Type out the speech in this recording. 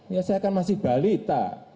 ya saya kan masih balita